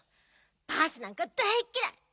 バースなんか大っきらい！